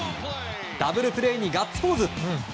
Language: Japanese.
ダブルプレーにガッツポーズ。